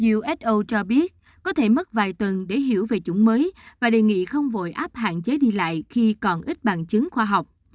uso cho biết có thể mất vài tuần để hiểu về chủng mới và đề nghị không vội áp hạn chế đi lại khi còn ít bằng chứng khoa học